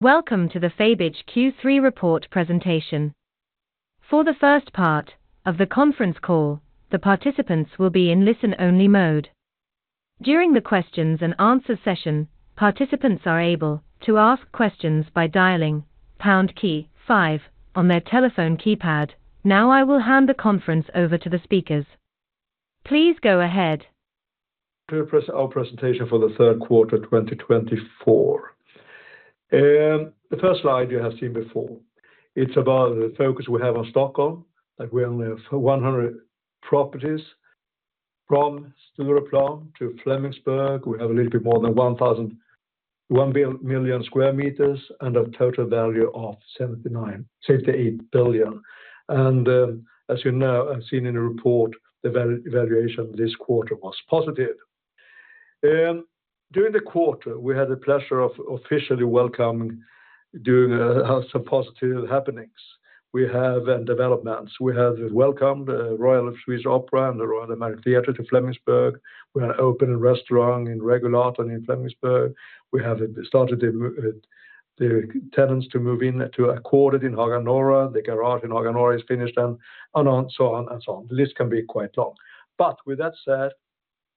Welcome to the Fabege's Q3 report presentation. For the first part of the conference call, the participants will be in listen-only mode. During the questions and answer session, participants are able to ask questions by dialing pound key five on their telephone keypad. Now, I will hand the conference over to the speakers. Please go ahead. To our presentation for the third quarter, 2024. The first slide you have seen before. It's about the focus we have on Stockholm, that we only have 100 properties. From Stureplan to Flemingsberg, we have a little bit more than 1 million sqm and a total value of 78 billion. And, as you know, I've seen in a report the valuation this quarter was positive. During the quarter, we had the pleasure of officially welcoming, doing some positive happenings. We have developments. We have welcomed the Royal Swedish Opera and the Royal Dramatic Theatre to Flemingsberg. We have opened a restaurant in Regulatorn and in Flemingsberg. We have started the tenants to move in to Ackordet in Haga Norra. The garage in Haga Norra is finished, and so on, and so on. The list can be quite long. But with that said,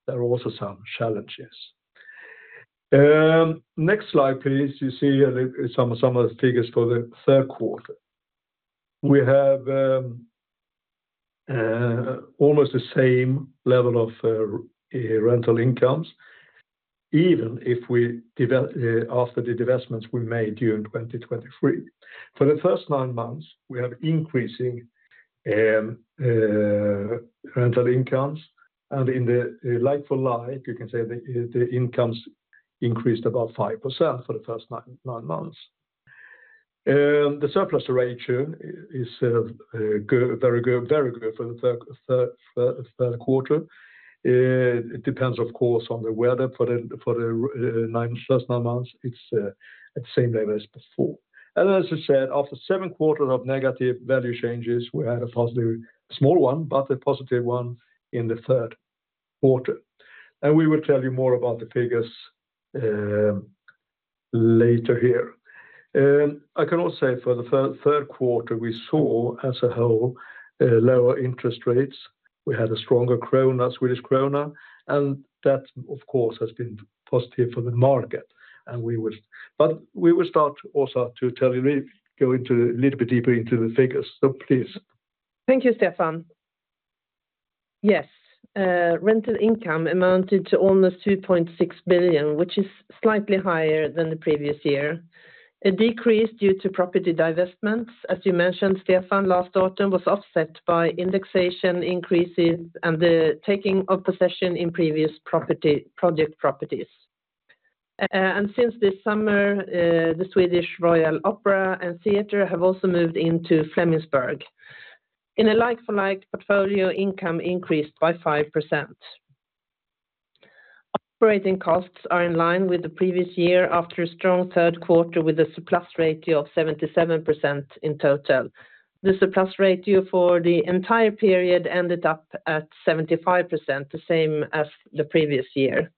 there are also some challenges. Next slide, please. You see some of the figures for the third quarter. We have almost the same level of rental incomes, even after the divestments we made during 2023. For the first nine months, we have increasing rental incomes, and in the like for like, you can say the incomes increased about 5% for the first nine months. The surplus ratio is good, very good for the third quarter. It depends, of course, on the weather. For the first nine months, it's at the same level as before. As I said, after seven quarters of negative value changes, we had a positive, small one, but a positive one in the third quarter. We will tell you more about the figures later here. I can also say for the third quarter, we saw, as a whole, lower interest rates. We had a stronger krona, Swedish krona, and that, of course, has been positive for the market, and we will start also to tell you, really go into, little bit deeper into the figures, so please. Thank you, Stefan. Yes, rental income amounted to almost 2.6 billion, which is slightly higher than the previous year. A decrease due to property divestments, as you mentioned, Stefan, last autumn, was offset by indexation increases and the taking of possession in previous property project properties. And since this summer, the Swedish Royal Opera and Theatre have also moved into Flemingsberg. In a like-for-like portfolio, income increased by 5%. Operating costs are in line with the previous year after a strong third quarter, with a surplus ratio of 77% in total. The surplus ratio for the entire period ended up at 75%, the same as the previous year.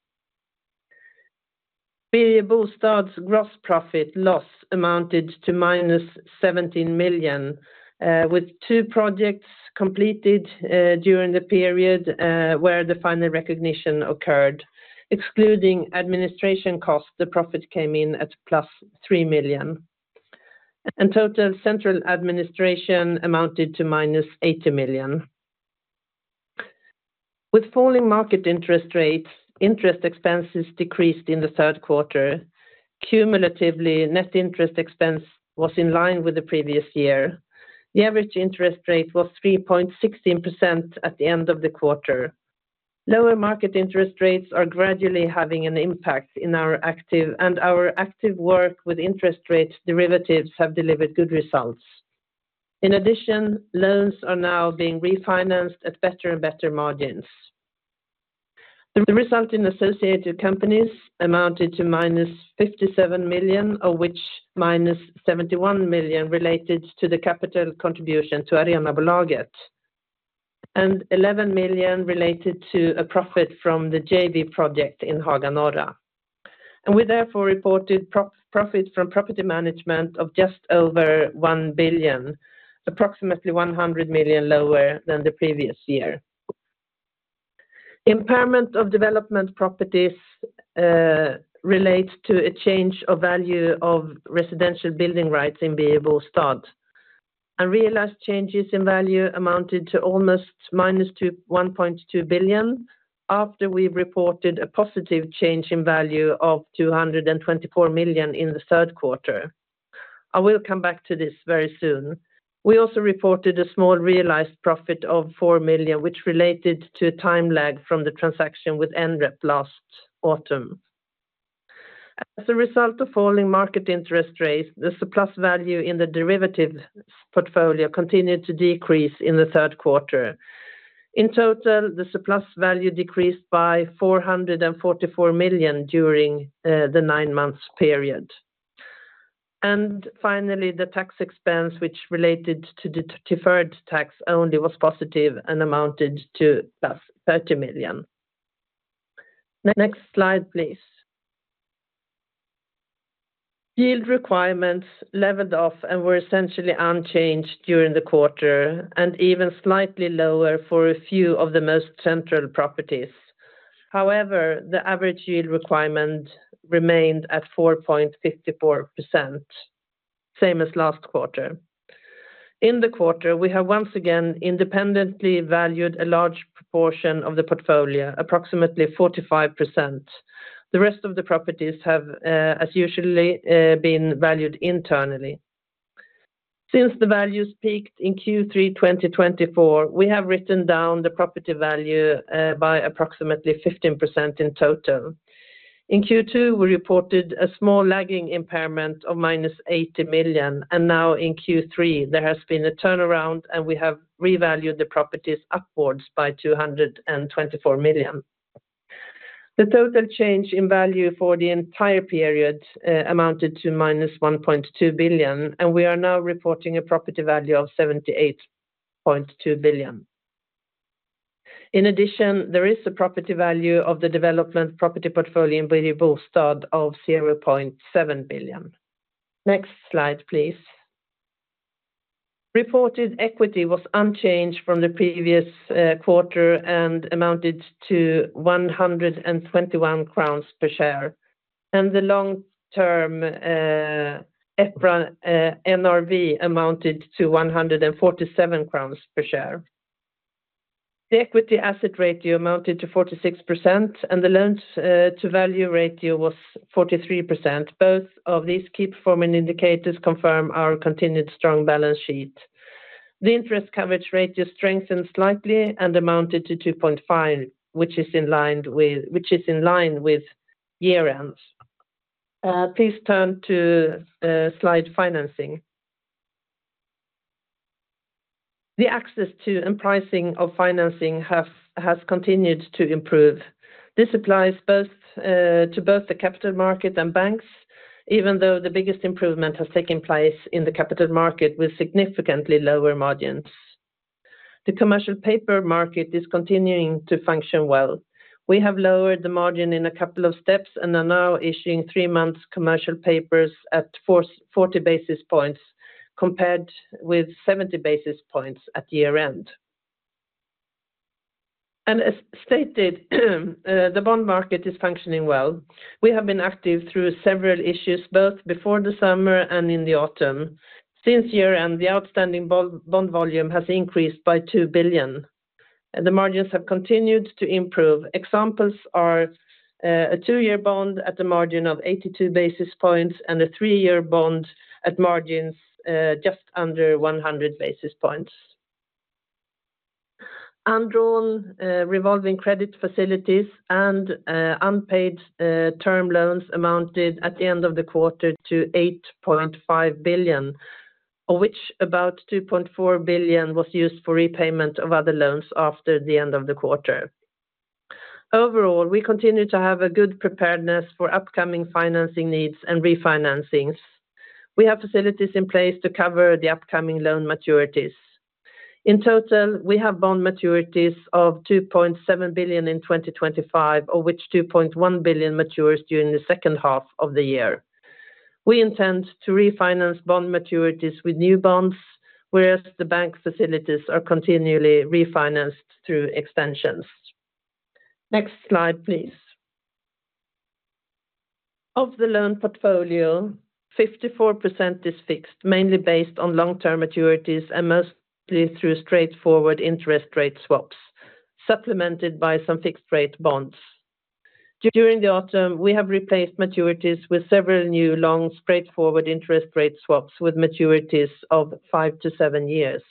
Birger Bostad's gross profit loss amounted to -17 million, with two projects completed during the period where the final recognition occurred. Excluding administration costs, the profit came in at +3 million. And total central administration amounted to -80 million. With falling market interest rates, interest expenses decreased in the third quarter. Cumulatively, net interest expense was in line with the previous year. The average interest rate was 3.16% at the end of the quarter. Lower market interest rates are gradually having an impact in our active and our active work with interest rate derivatives have delivered good results. In addition, loans are now being refinanced at better and better margins. The result in associated companies amounted to -57 million, of which -71 million related to the capital contribution to Arenabolaget, and 11 million related to a profit from the JV project in Haga Norra. We therefore reported profit from property management of just over 1 billion, approximately 100 million lower than the previous year. Impairment of development properties relates to a change of value of residential building rights in Birger Bostad. Realized changes in value amounted to almost -1.2 billion, after we reported a positive change in value of 224 million in the third quarter. I will come back to this very soon. We also reported a small realized profit of 4 million, which related to a time lag from the transaction with Nrep last autumn. As a result of falling market interest rates, the surplus value in the derivatives portfolio continued to decrease in the third quarter. In total, the surplus value decreased by 444 million during the nine-months period. Finally, the tax expense, which related to the deferred tax only, was positive and amounted to +30 million. Next slide, please. Yield requirements leveled off and were essentially unchanged during the quarter, and even slightly lower for a few of the most central properties. However, the average yield requirement remained at 4.54%, same as last quarter. In the quarter, we have once again independently valued a large proportion of the portfolio, approximately 45%. The rest of the properties have, as usual, been valued internally. Since the values peaked in Q3 2024, we have written down the property value by approximately 15% in total. In Q2, we reported a small lagging impairment of -80 million, and now in Q3, there has been a turnaround, and we have revalued the properties upwards by 224 million. The total change in value for the entire period amounted to -1.2 billion, and we are now reporting a property value of 78.2 billion. In addition, there is a property value of the development property portfolio in Birger Bostad of 0.7 billion. Next slide, please. Reported equity was unchanged from the previous quarter and amounted to 121 crowns per share, and the long-term EPRA NRV amounted to 147 crowns per share. The equity/assets ratio amounted to 46%, and the loan-to-value ratio was 43%. Both of these key performance indicators confirm our continued strong balance sheet. The interest coverage ratio strengthened slightly and amounted to 2.5, which is in line with year ends. Please turn to slide financing. The access to and pricing of financing has continued to improve. This applies both to the capital market and banks, even though the biggest improvement has taken place in the capital market with significantly lower margins. The commercial paper market is continuing to function well. We have lowered the margin in a couple of steps and are now issuing three months commercial papers at 440 basis points, compared with 70 basis points at year-end. As stated, the bond market is functioning well. We have been active through several issues, both before the summer and in the autumn. Since year-end, the outstanding bond volume has increased by 2 billion, and the margins have continued to improve. Examples are, a two-year bond at the margin of 82 basis points and a three-year bond at margins, just under 100 basis points. Undrawn, revolving credit facilities and unpaid, term loans amounted at the end of the quarter to 8.5 billion, of which about 2.4 billion was used for repayment of other loans after the end of the quarter. Overall, we continue to have a good preparedness for upcoming financing needs and refinancings. We have facilities in place to cover the upcoming loan maturities. In total, we have bond maturities of 2.7 billion in 2025, of which 2.1 billion matures during the second half of the year. We intend to refinance bond maturities with new bonds, whereas the bank facilities are continually refinanced through extensions. Next slide, please. Of the loan portfolio, 54% is fixed, mainly based on long-term maturities and mostly through straightforward interest rate swaps, supplemented by some fixed rate bonds. During the autumn, we have replaced maturities with several new long, straightforward interest rate swaps with maturities of five to seven years.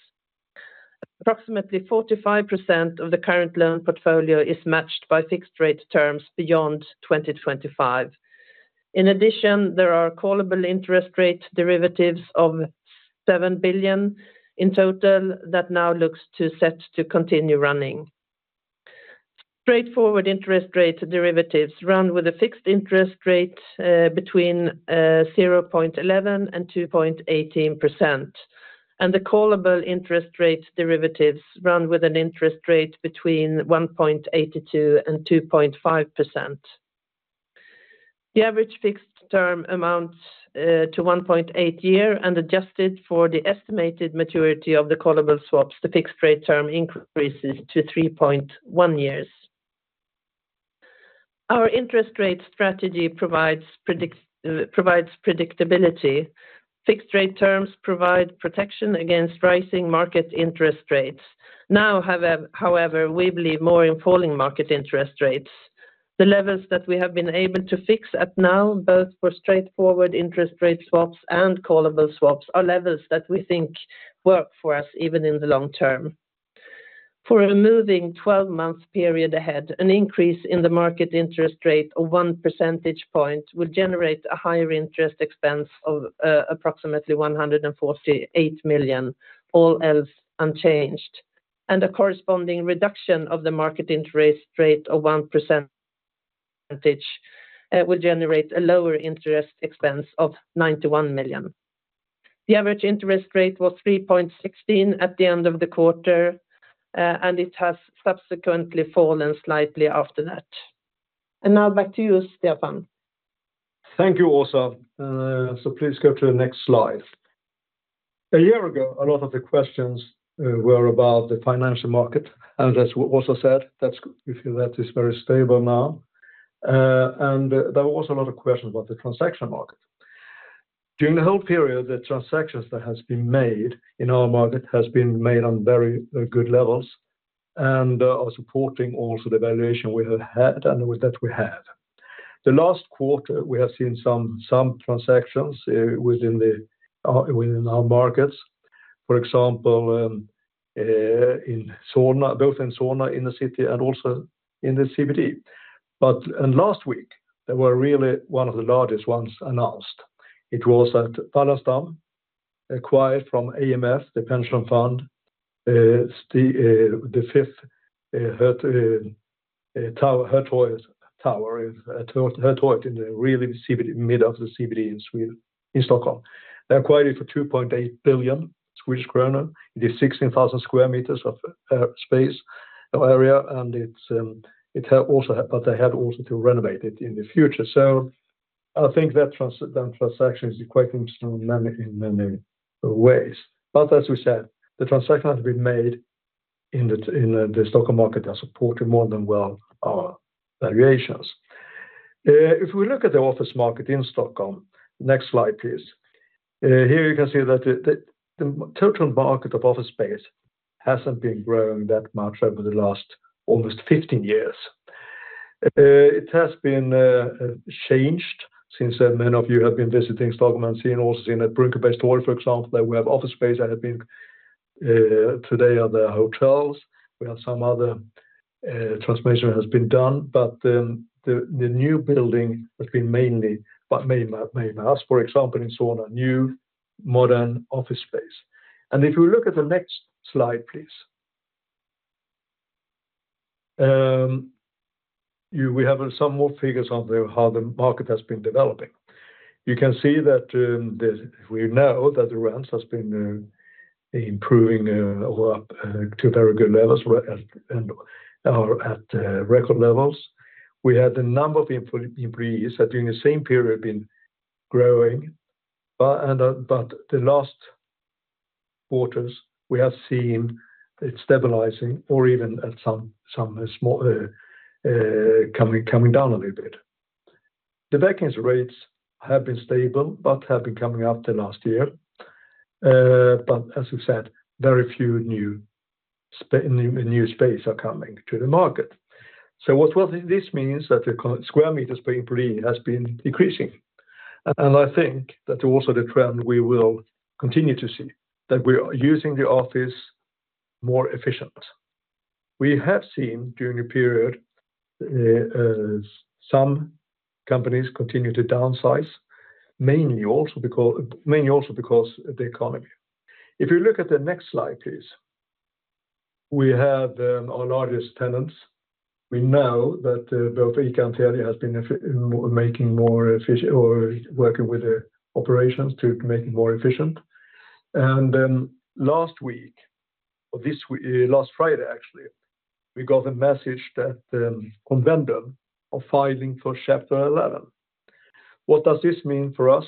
Approximately 45% of the current loan portfolio is matched by fixed rate terms beyond 2025. In addition, there are callable interest rate derivatives of 7 billion in total that now looks set to continue running. Straightforward interest rate derivatives run with a fixed interest rate between 0.11% and 2.18%, and the callable interest rate derivatives run with an interest rate between 1.82% and 2.5%. The average fixed term amounts to 1.8 years, and adjusted for the estimated maturity of the callable swaps, the fixed rate term increases to 3.1 years. Our interest rate strategy provides predictability. Fixed rate terms provide protection against rising market interest rates. Now, however, we believe more in falling market interest rates. The levels that we have been able to fix at now, both for straightforward interest rate swaps and callable swaps, are levels that we think work for us, even in the long term. For a moving 12 month period ahead, an increase in the market interest rate of one percentage point will generate a higher interest expense of approximately 148 million, all else unchanged, and a corresponding reduction of the market interest rate of one percentage point will generate a lower interest expense of 91 million. The average interest rate was 3.16% at the end of the quarter, and it has subsequently fallen slightly after that, and now back to you, Stefan. Thank you, Åsa. So please go to the next slide. A year ago, a lot of the questions were about the financial market, and as Åsa said, that's we feel that is very stable now. And there were also a lot of questions about the transaction market. During the whole period, the transactions that has been made in our market has been made on very good levels, and are supporting also the valuation we have had and with that we have. The last quarter, we have seen some transactions within our markets. For example, in Solna, both in Solna, in the city, and also in the CBD. But and last week, there were really one of the largest ones announced. It was at Wallenstam, acquired from AMF, the pension fund, the fifth tower, Hötorget tower, the Hötorget, in the real CBD, mid of the CBD in Sweden, in Stockholm. They acquired it for 2.8 billion Swedish kronor. It is 16,000 sqm of space, area, and it's, but they had also to renovate it in the future. So I think that transaction is equating to many, in many ways. But as we said, the transaction has been made in the, in the Stockholm market has supported more than well our valuations. If we look at the office market in Stockholm. Next slide, please. Here you can see that the total market of office space hasn't been growing that much over the last almost 15 years. It has been changed since then. Many of you have been visiting Stockholm and seen at Brunkebergstorg, for example, that we have office space that have been today are the hotels. We have some other transformation has been done, but the new building has been mainly, but main house, for example, in Solna, new, modern office space. If you look at the next slide, please. We have some more figures on how the market has been developing. You can see that we know that the rents has been improving or up to very good levels, or at record levels. We had the number of employees that during the same period have been growing, but the last quarters, we have seen it stabilizing or even at some small coming down a little bit. The vacancy rates have been stable, but have been coming up the last year. But as we said, very few new space are coming to the market. So what this means that the current square meters per employee has been decreasing. And I think that also the trend, we will continue to see, that we are using the office more efficient. We have seen during the period, some companies continue to downsize, mainly also because of the economy. If you look at the next slide, please. We have our largest tenants. We know that both Ikano has been making more efficient or working with the operations to make it more efficient. And last week, or this week, last Friday, actually, we got a message that Convendum are filing for Chapter 11. What does this mean for us?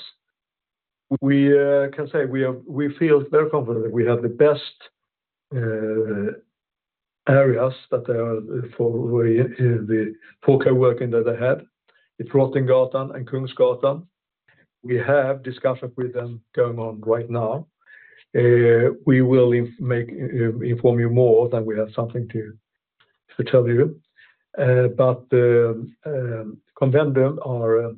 We can say we feel very confident that we have the best areas that are for the coworking that they had. It's Drottninggatan and Kungsgatan. We have discussions with them going on right now. We will inform you more when we have something to tell you. But Convendum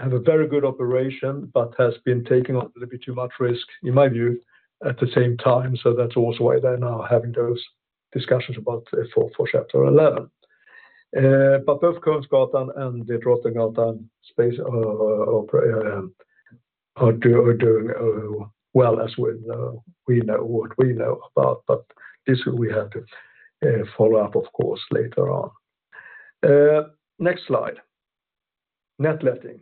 have a very good operation, but has been taking on a little bit too much risk, in my view, at the same time. That's also why they're now having those discussions about Chapter 11. Both Kungsgatan and the Drottninggatan space, Opera, are doing well, as we know, we know what we know about, but this we have to follow up, of course, later on. Next slide. Net letting.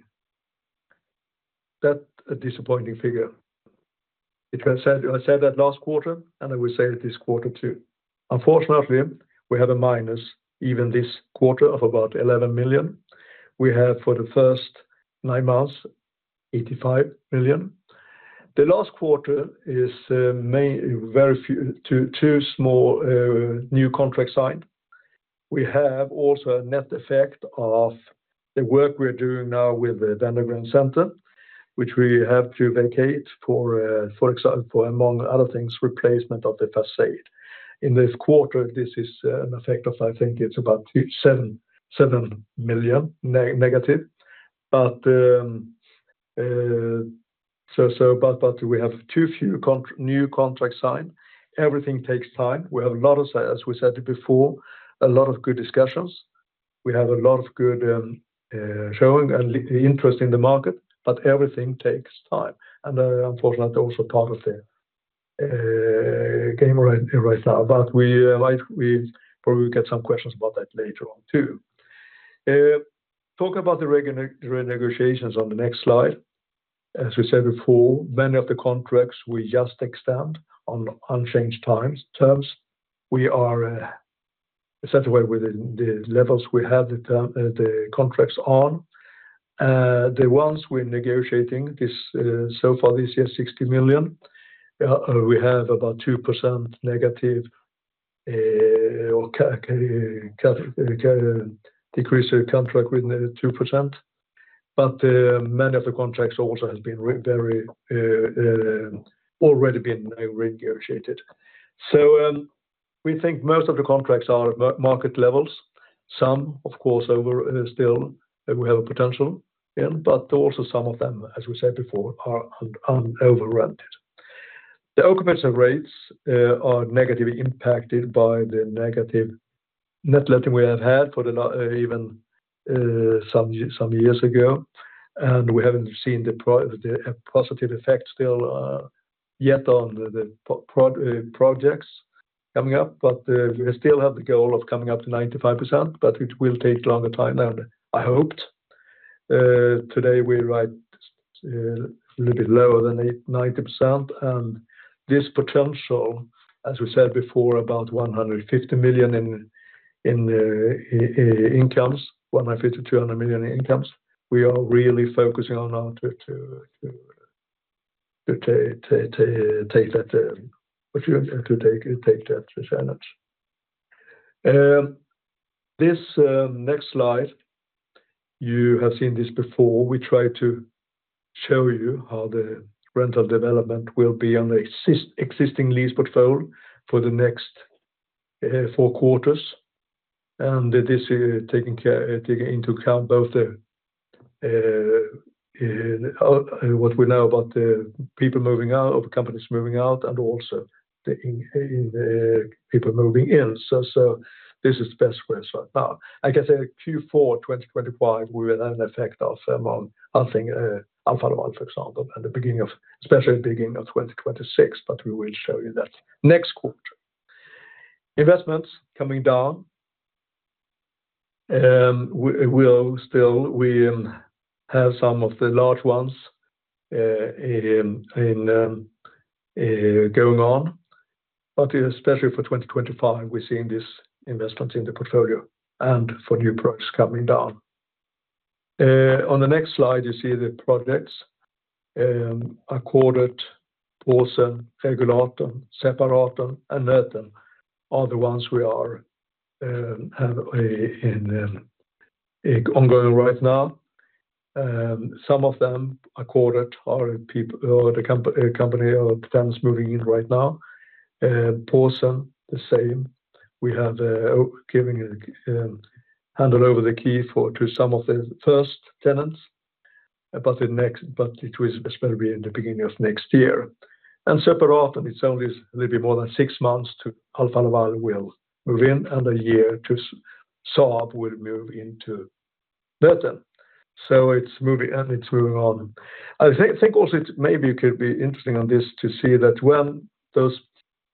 That's a disappointing figure. It was said, I said that last quarter, and I will say it this quarter, too. Unfortunately, we have a minus even this quarter of about 11 million. We have for the first nine months, 85 million. The last quarter is mainly very few, two small new contracts signed. We have also a net effect of the work we're doing now with the Danderyds Center, which we have to vacate for, for example, among other things, replacement of the façade. In this quarter, this is an effect of. I think it's about -7 million. But we have too few new contracts signed. Everything takes time. We have a lot of sales, as we said it before, a lot of good discussions. We have a lot of good showings and interest in the market, but everything takes time. And unfortunately, also part of the game right now. But we probably get some questions about that later on, too. Talk about the renegotiations on the next slide. As we said before, many of the contracts we just extend on unchanged terms. We are satisfied with the levels we have on the terms of the contracts. The ones we're negotiating this, so far this year, 60 million, we have about -2%, or decrease the contract with 2%. But, many of the contracts also has been very already been renegotiated. So, we think most of the contracts are at market levels. Some, of course, over, still we have a potential in, but also some of them, as we said before, are overrented. The occupancy rates are negatively impacted by the negative net letting we have had for the even, some years ago, and we haven't seen the positive effect still, yet on the projects coming up. But we still have the goal of coming up to 95%, but it will take longer time than I hoped. Today, we're right, a little bit lower than 90%, and this potential, as we said before, about 150 million in incomes, 150 million-200 million in incomes, we are really focusing on now to take that advantage. This next slide, you have seen this before. We try to show you how the rental development will be on the existing lease portfolio for the next four quarters, and this taking into account both the what we know about the people moving out, of companies moving out, and also the people moving in. This is the best way so far. I can say Q4 2025, we will have an effect also among, I think, Alfa Laval, for example, especially beginning of 2026, but we will show you that next quarter. Investments coming down, we'll still have some of the large ones going on, but especially for 2025, we're seeing this investment in the portfolio and for new projects coming down. On the next slide, you see the projects, Ackordet, Påsen, Regulatorn, Separatorn, and Nöten are the ones we have ongoing right now. Some of them, Ackordet, are the company or tenants moving in right now. Påsen, the same. We have given handover of the key to some of the first tenants, but it will still be in the beginning of next year. Separatorn, it's only a little bit more than six months to Alfa Laval will move in, and a year to Saab will move into Nöten. So it's moving, and it's moving on. I think also it maybe could be interesting on this to see that when those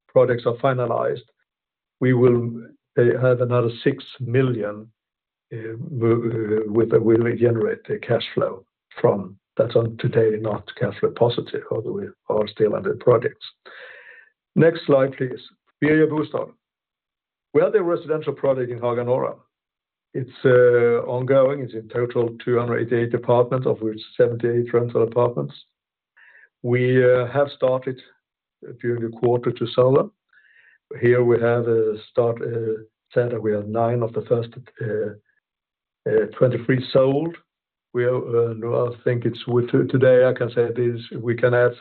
projects are finalized, we will have another six million with the way we generate the cash flow from. That's as of today, not cash flow positive, although we are still under projects. Next slide, please. Birger Bostad. We have the residential project in Haga Norra. It's ongoing. It's in total 288 apartments, of which 78 rental apartments. We have started during the quarter to sell them. Here we have start center. We have nine of the first 23 sold. We, no, I think it's with today, I can say this, we can add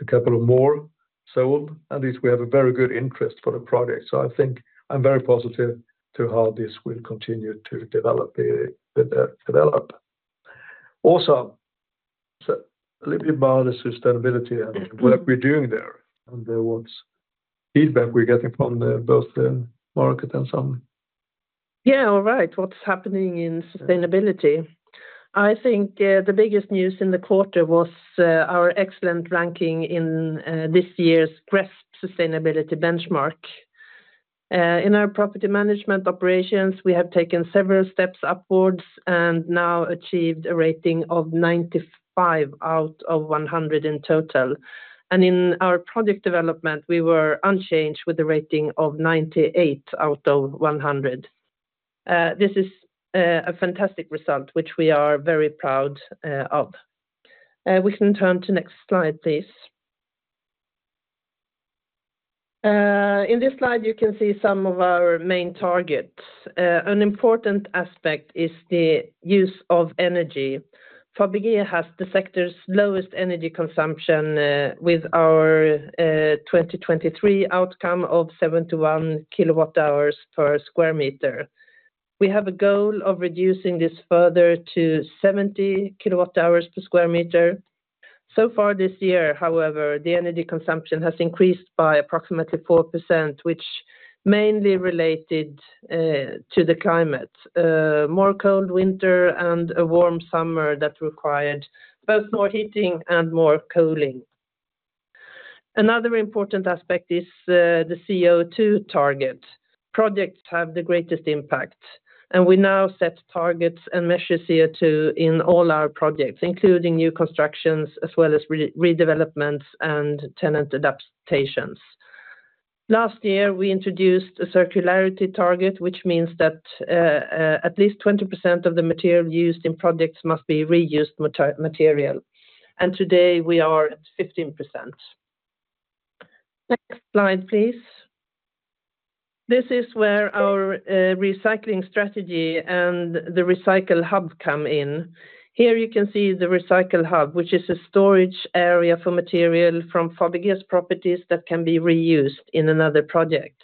a couple of more sold, and at least we have a very good interest for the project. So I think I'm very positive to how this will continue to develop. Also, so a little bit about the sustainability and what we're doing there, and there was feedback we're getting from the both the market and some. Yeah, all right. What's happening in sustainability? I think, the biggest news in the quarter was, our excellent ranking in, this year's GRESB sustainability benchmark. In our property management operations, we have taken several steps upwards and now achieved a rating of 95 out of 100 in total, and in our project development, we were unchanged with a rating of 98 out of 100. This is, a fantastic result, which we are very proud, of. We can turn to next slide, please. In this slide, you can see some of our main targets. An important aspect is the use of energy. Fabege has the sector's lowest energy consumption, with our, 2023 outcome of 71 KWh per square meter. We have a goal of reducing this further to 70 KWh per square meter. So far this year, however, the energy consumption has increased by approximately 4%, which mainly related to the climate. More cold winter and a warm summer that required both more heating and more cooling. Another important aspect is the CO₂ target. Projects have the greatest impact, and we now set targets and measures CO₂ in all our projects, including new constructions as well as redevelopments and tenant adaptations. Last year, we introduced a circularity target, which means that at least 20% of the material used in projects must be reused material, and today we are at 15%. Next slide, please. This is where our recycling strategy and the recycle hub come in. Here you can see the recycle hub, which is a storage area for material from Fabege's properties that can be reused in another project.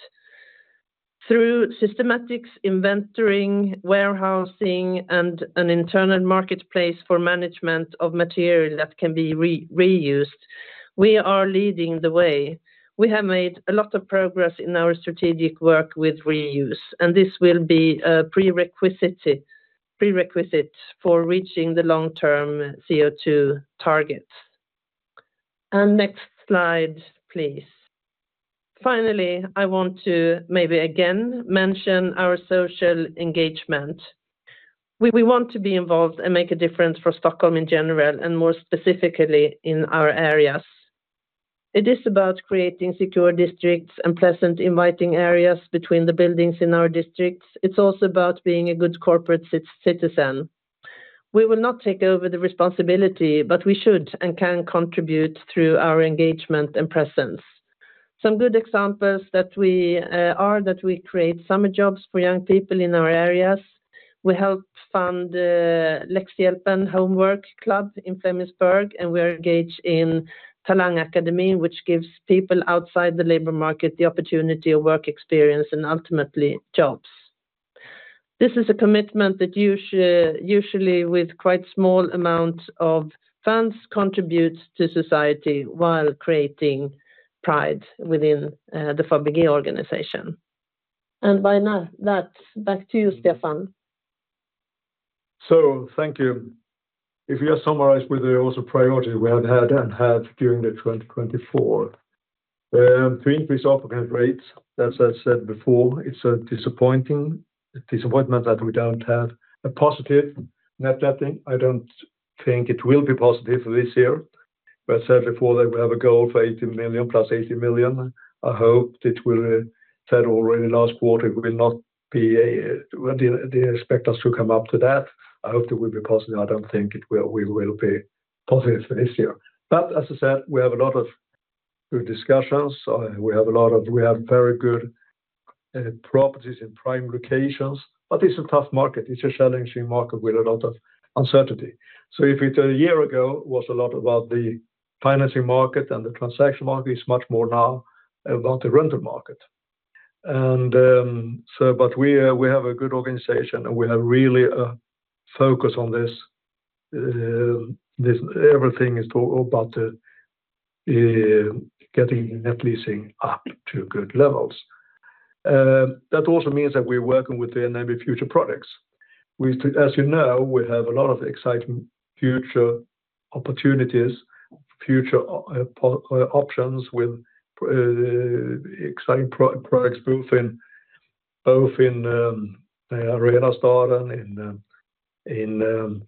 Through systematics, inventorying, warehousing, and an internal marketplace for management of material that can be reused, we are leading the way. We have made a lot of progress in our strategic work with reuse, and this will be a prerequisite for reaching the long-term CO₂ targets. Next slide, please. Finally, I want to maybe again mention our social engagement. We want to be involved and make a difference for Stockholm in general, and more specifically in our areas. It is about creating secure districts and pleasant, inviting areas between the buildings in our districts. It's also about being a good corporate citizen. We will not take over the responsibility, but we should and can contribute through our engagement and presence. Some good examples that we are that we create summer jobs for young people in our areas. We help fund Läxhjälpen Homework Club in Flemingsberg, and we are engaged in TalangAkademin, which gives people outside the labor market the opportunity of work experience and ultimately jobs. This is a commitment that usually, with quite small amounts of funds, contributes to society while creating pride within the Fabege organization. Now, back to you, Stefan. Thank you. If you have summarized with also priority, we have had and have during 2024 to increase our occupancy rates. As I said before, it's a disappointing disappointment that we don't have a positive net letting. I don't think it will be positive this year, but I said before that we have a goal for 80 million, +80 million. I hope it will. Said already last quarter, it will not be. They expect us to come up to that. I hope that we'll be positive. I don't think we will be positive this year. But as I said, we have a lot of good discussions. We have very good properties in prime locations, but it's a tough market. It's a challenging market with a lot of uncertainty. So if it a year ago was a lot about the financing market and the transaction market, it's much more now about the rental market. And, so, but we have a good organization, and we have really focus on this. This everything is talk about the getting net letting up to good levels. That also means that we're working with the NBI future products. We, as you know, we have a lot of exciting future opportunities, future options with exciting products, both in Arenastaden,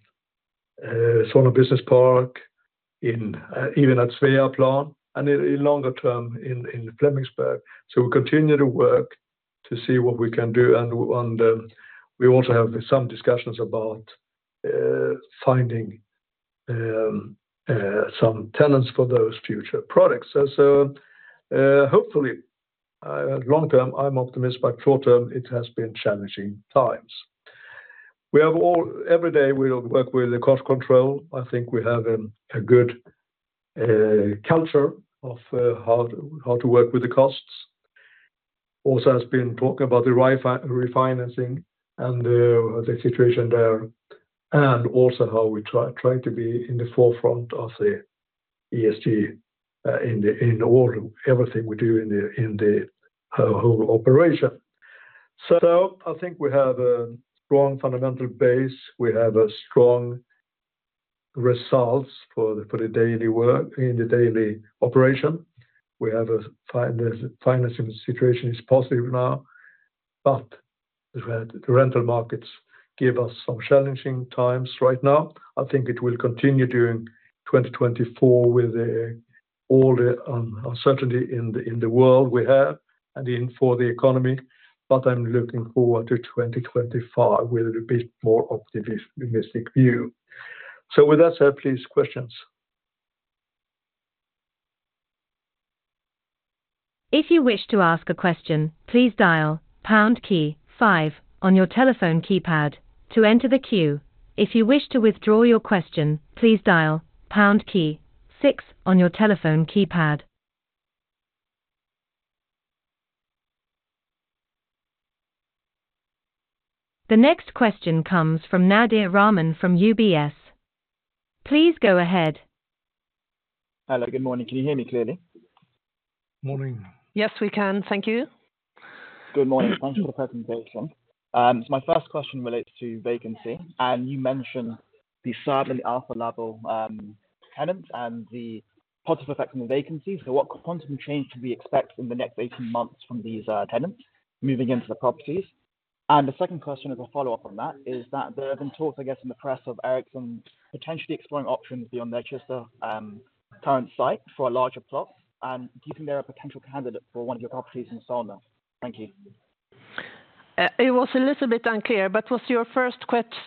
in Solna Business Park, in even at Sveaplan, and in longer term, in Flemingsberg. So we continue to work to see what we can do, and we also have some discussions about finding some tenants for those future products. And so, hopefully long term, I'm optimist, but short term, it has been challenging times. Every day, we work with the cost control. I think we have a good culture of how to work with the costs. Also, has been talking about the refinancing and the situation there, and also how we trying to be in the forefront of the ESG in all everything we do in the whole operation. So I think we have a strong fundamental base. We have a strong results for the daily work in the daily operation. We have a financing situation is positive now, but the rental markets give us some challenging times right now. I think it will continue during 2024 with the, all the, uncertainty in the, in the world we have and in for the economy, but I'm looking forward to 2025 with a bit more optimistic view. So with that said, please, questions. If you wish to ask a question, please dial pound key five on your telephone keypad to enter the queue. If you wish to withdraw your question, please dial pound key six on your telephone keypad. The next question comes from Nadir Rahman from UBS. Please go ahead. Hello, good morning. Can you hear me clearly? Morning. Yes, we can. Thank you. Good morning. Thanks for the presentation. So my first question relates to vacancy, and you mentioned the Saab and the Alfa Laval tenants, and the positive effect on the vacancy. So what quantum change can we expect in the next eighteen months from these tenants moving into the properties? And the second question, as a follow-up on that, is that there have been talks, I guess, in the press of Ericsson potentially exploring options beyond their Kista current site for a larger plot. And do you think they're a potential candidate for one of your properties in Solna? Thank you. It was a little bit unclear, but was your first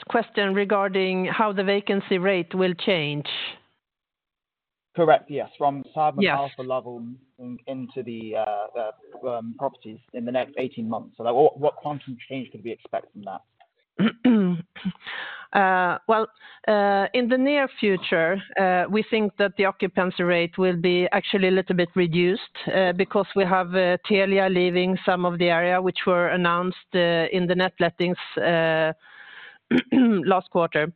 question regarding how the vacancy rate will change? Correct. Yes. Yes. From Saab and Alfa Laval into the properties in the next 18 months. So what quantum change can we expect from that? Well, in the near future, we think that the occupancy rate will be actually a little bit reduced because we have Telia leaving some of the area which were announced in the net lettings last quarter.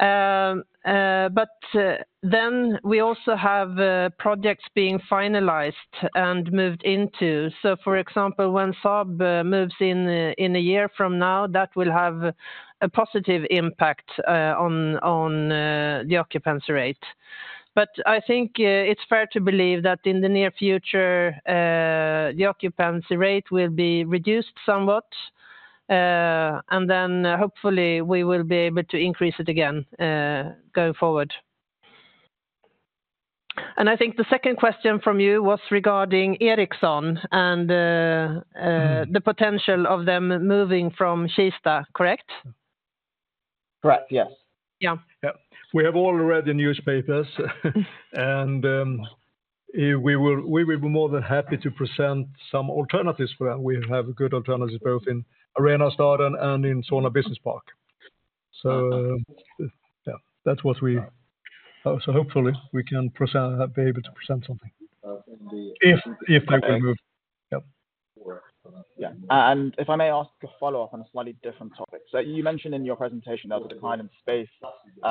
But then we also have projects being finalized and moved into. So for example, when Saab moves in in a year from now, that will have a positive impact on the occupancy rate. But I think it's fair to believe that in the near future the occupancy rate will be reduced somewhat, and then hopefully we will be able to increase it again going forward. And I think the second question from you was regarding Ericsson and the potential of them moving from Kista, correct? Correct. Yes. Yeah. Yeah. We have all read the newspapers, and we will be more than happy to present some alternatives for that. We have good alternatives both in Arenastaden and in Solna Business Park. So, yeah, that's what we, so hopefully we can present, be able to present something, if they can move. Yep. Yeah. And if I may ask a follow-up on a slightly different topic. So you mentioned in your presentation that the decline in space,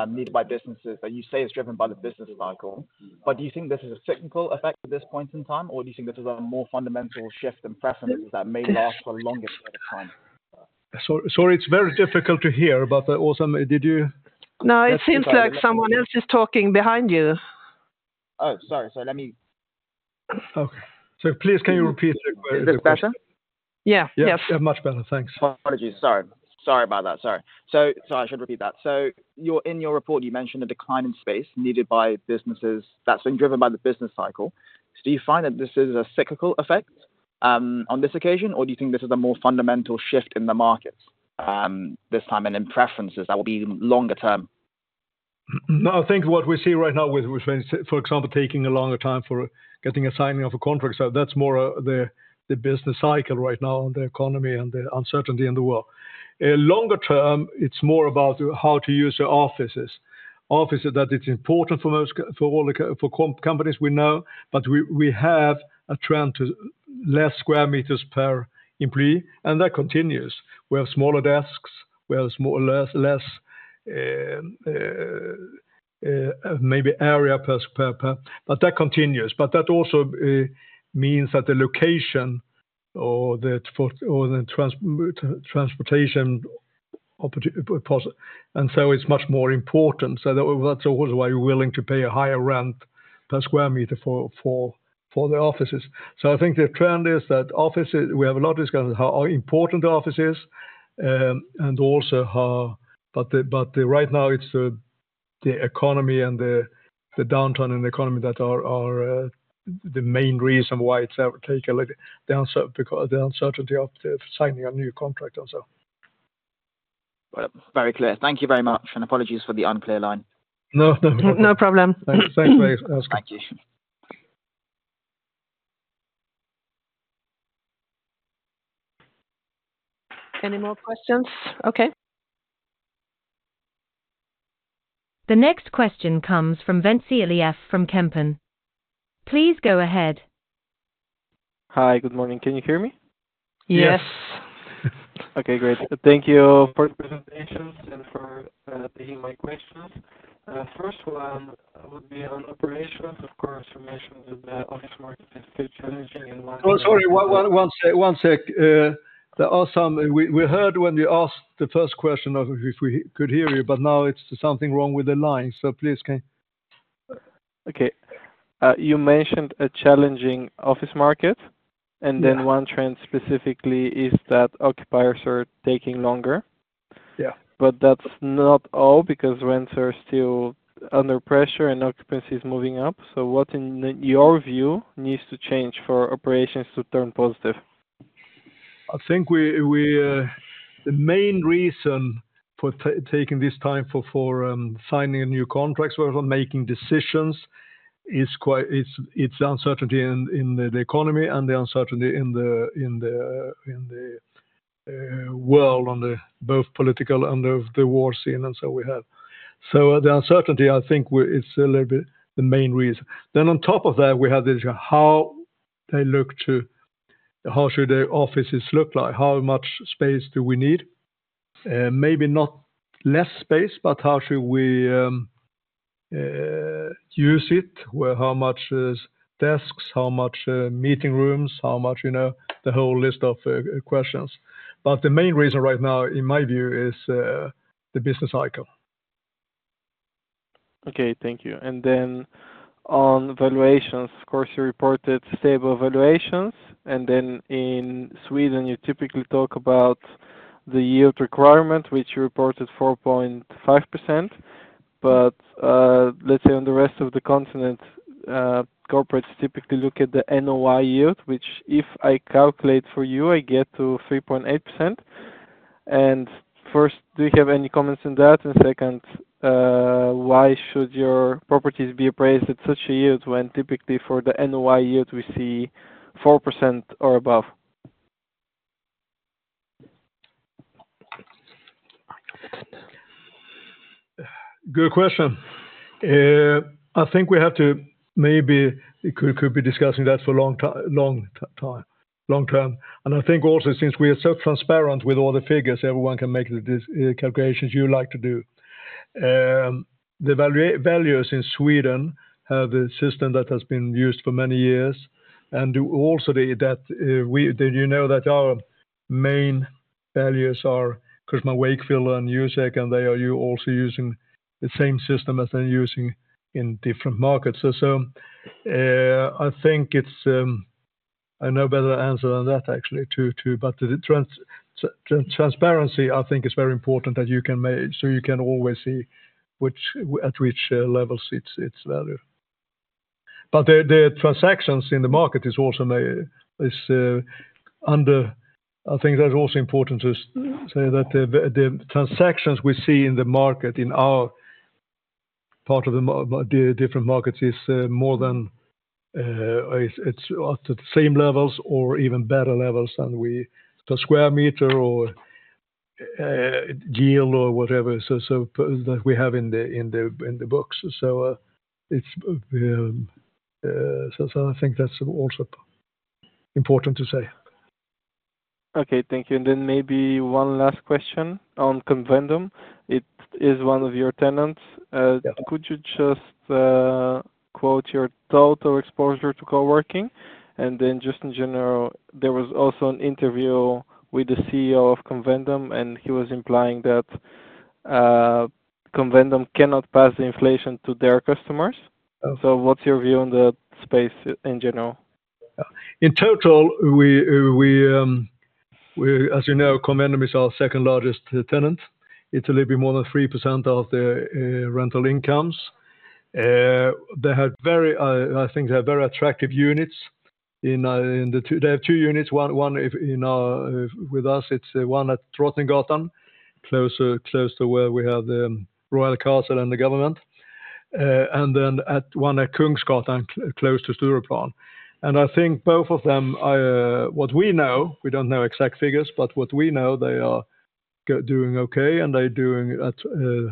needed by businesses, that you say is driven by the business cycle. But do you think this is a cyclical effect at this point in time, or do you think this is a more fundamental shift in preferences that may last for a longer period of time? So, sorry, it's very difficult to hear, but, Åsa, did you? No, it seems like someone else is talking behind you. Oh, sorry, sorry, let me. Okay. So please, can you repeat the question? Is this better? Yeah. Yes. Yeah, much better. Thanks. Apologies. Sorry. Sorry about that, sorry. So, so I should repeat that: So your, in your report, you mentioned a decline in space needed by businesses that's been driven by the business cycle. So do you find that this is a cyclical effect, on this occasion, or do you think this is a more fundamental shift in the markets, this time, and in preferences that will be longer term? No, I think what we see right now with, for example, taking a longer time for getting a signing of a contract, so that's more of the business cycle right now and the economy and the uncertainty in the world. Longer term, it's more about how to use the offices. Offices that it's important for most companies we know, but we have a trend to less square meters per employee, and that continues. We have smaller desks, we have less area per employee. But that continues. But that also means that the location and the transportation opportunities and so it's much more important. So that's also why you're willing to pay a higher rent per square meter for the offices. I think the trend is that offices, we have a lot of discussion, how important the office is, and also how. But right now it's the economy and the downturn in the economy that are the main reason why it's taken a little, the uncertainty because the uncertainty of the signing a new contract also. Very clear. Thank you very much, and apologies for the unclear line. No problem. Thanks very much. Thank you. Any more questions? Okay. The next question comes from Ventsi Iliev from Kempen. Please go ahead. Hi, good morning. Can you hear me? Yes. Yes. Okay, great. Thank you for the presentations and for taking my questions. First one would be on operations. Of course, you mentioned that the challenging. Oh, sorry, one sec. Åsa, we heard when you asked the first question of if we could hear you, but now it's something wrong with the line. So please, can you? Okay. You mentioned a challenging office market and then one trend specifically is that occupiers are taking longer. Yeah. But that's not all, because rents are still under pressure and occupancy is moving up. So what, in your view, needs to change for operations to turn positive? I think the main reason for taking this time for signing new contracts or for making decisions is quite it's uncertainty in the economy and the uncertainty in the world, on both political and the war scene, and so we have. So the uncertainty, I think, it's a little bit the main reason. Then on top of that, we have the issue of how they look to. How should their offices look like? How much space do we need? Maybe not less space, but how should we use it, where how much is desks, how much meeting rooms, how much, you know, the whole list of questions. But the main reason right now, in my view, is the business cycle. Okay, thank you. And then on valuations, of course, you reported stable valuations, and then in Sweden, you typically talk about the yield requirement, which you reported 4.5%. But, let's say on the rest of the continent, corporates typically look at the NOI yield, which, if I calculate for you, I get to 3.8%. And first, do you have any comments on that? And second, why should your properties be appraised at such a yield when typically for the NOI yield, we see 4% or above? Good question. I think we have to maybe we could be discussing that for a long time, long term, and I think also, since we are so transparent with all the figures, everyone can make the calculations you like to do. The values in Sweden have a system that has been used for many years, and also did you know that our main valuers are Cushman & Wakefield and Newsec, and they are also using the same system as they're using in different markets. So, I think I know better answer than that actually, but the transparency, I think, is very important that you can make, so you can always see which, at which levels it's value. I think that's also important to say that the transactions we see in the market, in our part of the market, the different markets, is more than it's at the same levels or even better levels than we per square meter or yield or whatever, so that we have in the books. So, it's so. I think that's also important to say. Okay, thank you. And then maybe one last question on Convendum. It is one of your tenants. Yeah. Could you just quote your total exposure to coworking? And then just in general, there was also an interview with the CEO of Convendum, and he was implying that Convendum cannot pass the inflation to their customers. So what's your view on the space in general? In total, we as you know, Convendum is our second largest tenant. It's a little bit more than 3% of the rental incomes. They have very, I think they have very attractive units. They have two units, one is in with us, it's one at Drottninggatan, close to where we have the Royal Castle and the government. And then one at Kungsgatan, close to Stureplan. And I think both of them, what we know, we don't know exact figures, but what we know, they are doing okay, and they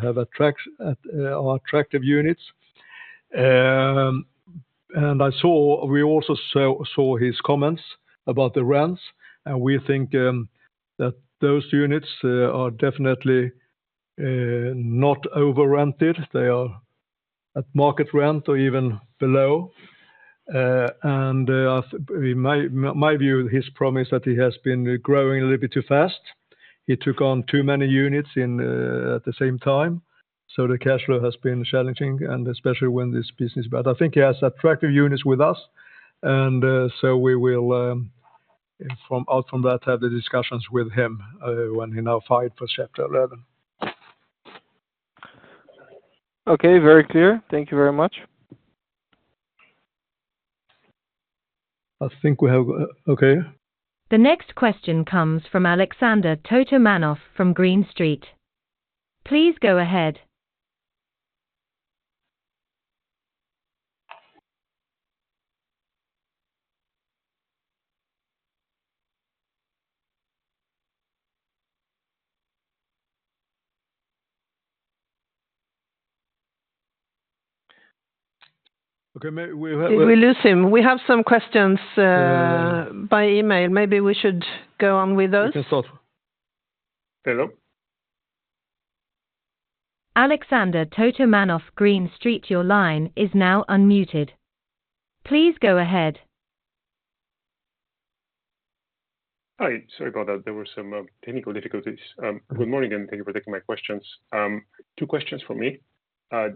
have attractive units. And I saw, we also saw his comments about the rents, and we think that those units are definitely not overrented. They are at market rent or even below, and in my view, his problem is that he has been growing a little bit too fast. He took on too many units in at the same time, so the cash flow has been challenging, and especially when this business, I think he has attractive units with us, and so we will from out from that have the discussions with him when he now filed for Chapter Eleven. Okay, very clear. Thank you very much. I think we have, okay. The next question comes from Alexander Totomanov from Green Street. Please go ahead. Okay, we have. We lose him. We have some questions by email. Maybe we should go on with those. We can start. Hello? Alexander Totomanov, Green Street, your line is now unmuted. Please go ahead. Hi. Sorry about that. There were some technical difficulties. Good morning, and thank you for taking my questions. Two questions for me.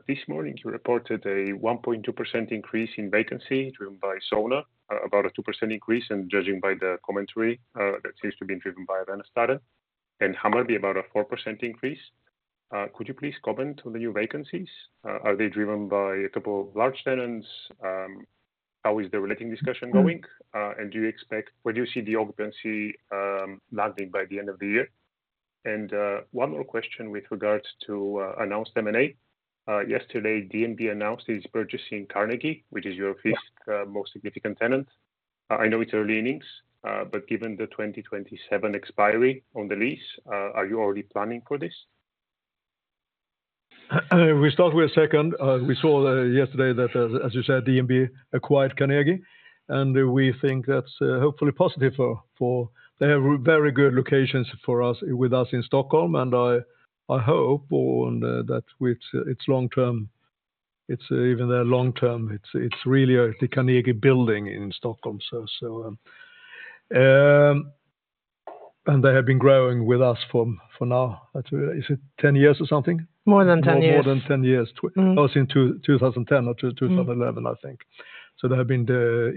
This morning, you reported a 1.2% increase in vacancy driven by Solna, about a 2% increase, and judging by the commentary, that seems to be driven by Vasastan, and Hammarby about a 4% increase. Could you please comment on the new vacancies? Are they driven by a couple of large tenants? How is the relating discussion going? And do you expect, where do you see the occupancy landing by the end of the year? And one more question with regards to announced M&A. Yesterday, DNB announced it is purchasing Carnegie, which is your fifth most significant tenant. I know it's early innings, but given the 2027 expiry on the lease, are you already planning for this? We start with second. We saw that yesterday, that as, as you said, DNB acquired Carnegie, and we think that's hopefully positive. They have very good locations for us, with us in Stockholm, and I hope on that with its long-term. It's even their long term, it's really the Carnegie Building in Stockholm, so, and they have been growing with us from, for now, I think, is it 10 years or something? More than 10 years. More, more than 10 years. Mm. It was in 2010 or 2011 I think. So they have been growing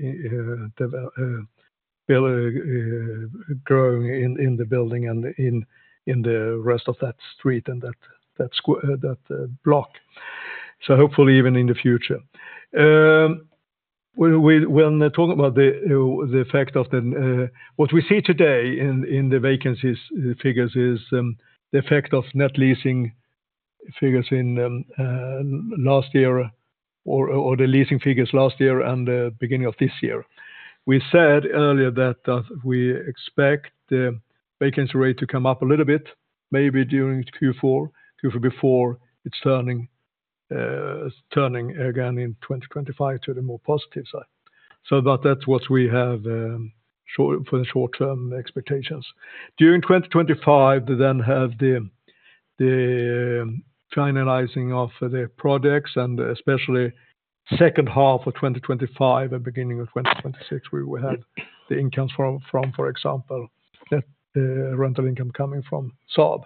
in the building and in the rest of that street and that block. So hopefully even in the future. When talking about the effect of what we see today in the vacancies figures is the effect of net leasing figures in last year or the leasing figures last year and the beginning of this year. We said earlier that we expect the vacancy rate to come up a little bit, maybe during Q4 before it's turning again in 2025 to the more positive side. So but that's what we have for the short-term expectations. During 2025, we then have the finalizing of the projects, and especially second half of 2025 and beginning of 2026, where we have the incomes from, for example, rental income coming from Saab,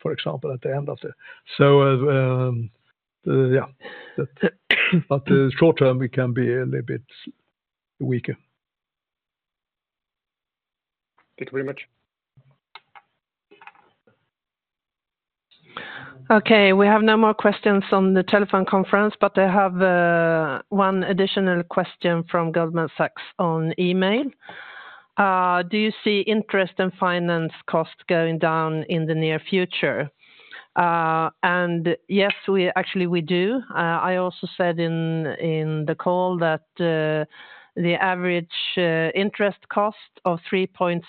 for example, at the end of the. So, yeah. But the short term, it can be a little bit weaker. Thank you very much. Okay, we have no more questions on the telephone conference, but I have one additional question from Goldman Sachs on email. Do you see interest and finance costs going down in the near future? Yes, actually, we do. I also said in the call that the average interest cost of 3.16%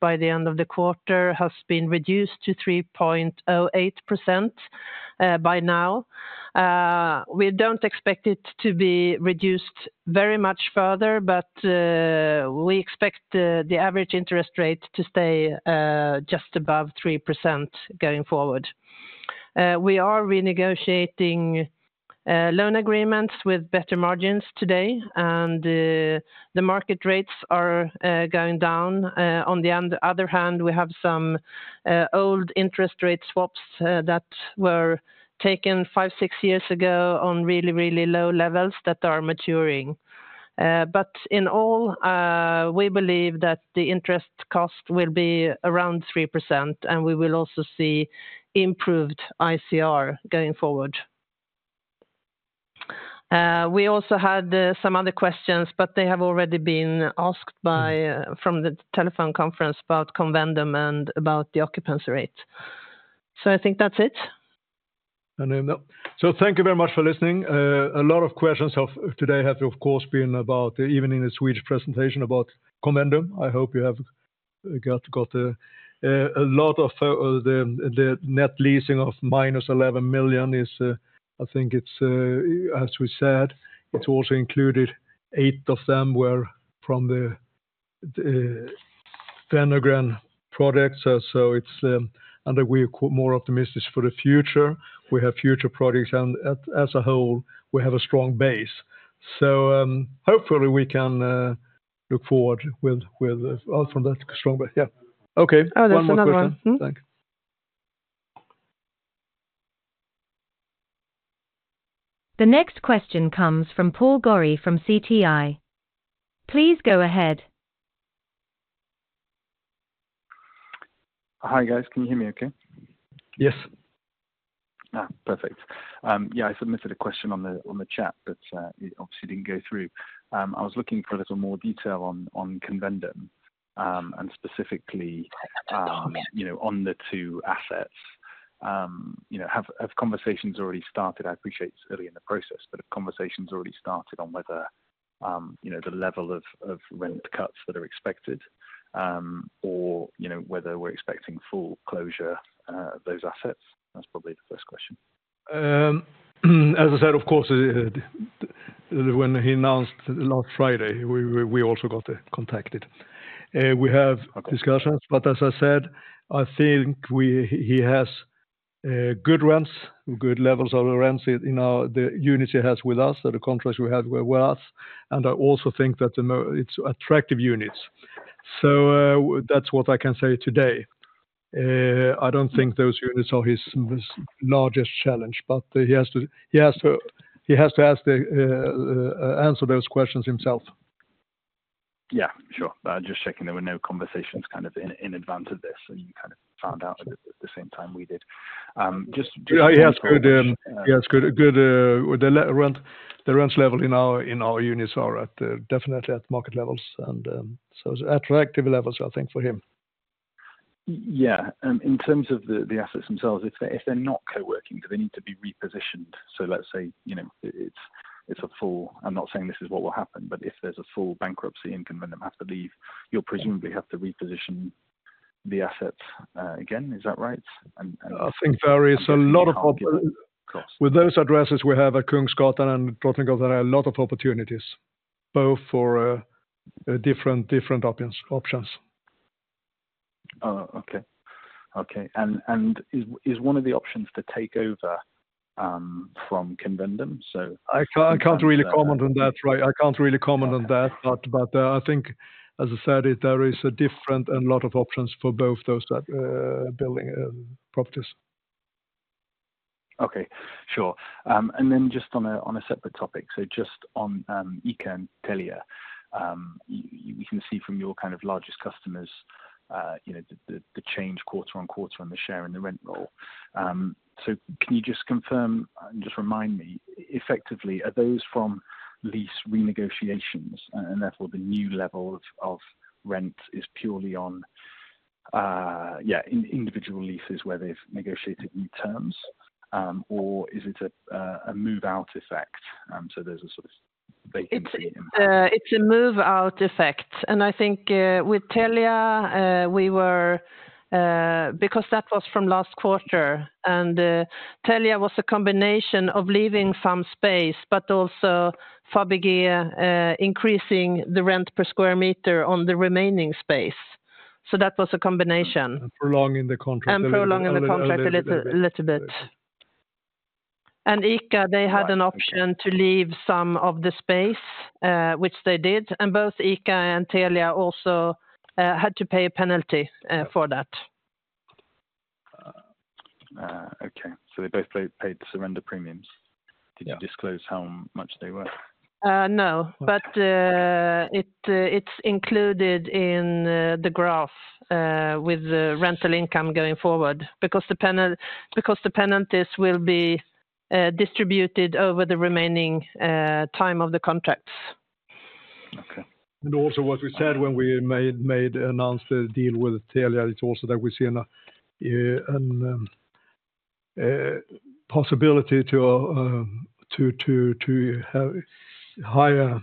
by the end of the quarter has been reduced to 3.08% by now. We don't expect it to be reduced very much further, but we expect the average interest rate to stay just above 3% going forward. We are renegotiating loan agreements with better margins today, and the market rates are going down. On the other hand, we have some old interest rate swaps that were taken five, six years ago on really, really low levels that are maturing. But in all, we believe that the interest cost will be around 3%, and we will also see improved ICR going forward. We also had some other questions, but they have already been asked by from the telephone conference about Convendum and about the occupancy rate. So I think that's it. And then, so thank you very much for listening. A lot of questions today have, of course, been about, even in the Swedish presentation, about Convendum. I hope you have got a lot of the net leasing of -11 million is, I think it's, as we said, it also included 8 of them were from the Wenner-Gren projects. So it's, and we're more optimistic for the future. We have future projects, and as a whole, we have a strong base, so, hopefully we can look forward with also that strong base. Yeah. Okay. Oh, there's another one. One more question. Thanks. The next question comes from Paul Gorrie from CTI. Please go ahead. Hi, guys. Can you hear me okay? Yes. Perfect. Yeah, I submitted a question on the chat, but it obviously didn't go through. I was looking for a little more detail on Convendum, and specifically, you know, on the two assets. You know, have conversations already started? I appreciate it's early in the process, but have conversations already started on whether, you know, the level of rent cuts that are expected, or, you know, whether we're expecting full closure, those assets? That's probably the first question. As I said, of course, when he announced last Friday, we also got contacted. We have discussions, but as I said, I think he has good rents, good levels of the rents in our units he has with us, or the contracts we have with us, and I also think that it's attractive units. So, that's what I can say today. I don't think those units are his largest challenge, but he has to answer those questions himself. Yeah, sure. I was just checking there were no conversations kind of in advance of this, and you kind of found out at the same time we did. Yeah, he has good. Yeah, it's good, the rent, the rents level in our, in our units are at, definitely at market levels, and, so it's attractive levels, I think, for him. Yeah, in terms of the assets themselves, if they're not co-working, do they need to be repositioned? So let's say, you know, it's a full, I'm not saying this is what will happen, but if there's a full bankruptcy and Convendum have to leave, you'll presumably have to reposition the assets, again. Is that right? I think there is a lot of, with those addresses, we have at Kungsgatan and Drottninggatan a lot of opportunities, both for different options. Oh, okay. Okay, and one of the options to take over from Convendum? I can't really comment on that, right? I can't really comment on that. But, I think as I said, there is a different and lot of options for both those that, building, properties. Okay. Sure. And then just on a separate topic, so just on ICA and Telia. We can see from your kind of largest customers, you know, the change quarter-on-quarter on the share and the rent roll. So can you just confirm and just remind me, effectively, are those from lease renegotiations, and therefore, the new level of rent is purely on individual leases where they've negotiated new terms, or is it a move-out effect? So there's a sort of vacancy. It's a move-out effect. And I think with Telia we were because that was from last quarter and Telia was a combination of leaving some space but also Fabege increasing the rent per square meter on the remaining space. So that was a combination. And prolonging the contract a little bit. And prolonging the contract a little bit. And ICA, they had an option to leave some of the space, which they did, and both ICA and Telia also had to pay a penalty for that. Okay. So they both paid the surrender premiums. Yeah. Did you disclose how much they were? Uh, no. But it's included in the graph with the rental income going forward. Because the penalties will be distributed over the remaining time of the contracts. Okay. And also what we said when we announced the deal with Telia, it's also that we see a possibility to have higher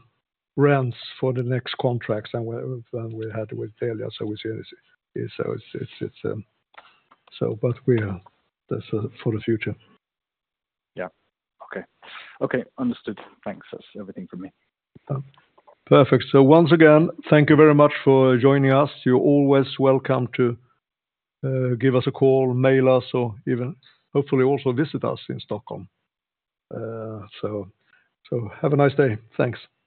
rents for the next contracts than we had with Telia. So we see it as. So it's so but we are. That's for the future. Yeah. Okay. Okay, understood. Thanks. That's everything for me. Perfect. So once again, thank you very much for joining us. You're always welcome to give us a call, mail us, or even hopefully also visit us in Stockholm. So have a nice day. Thanks.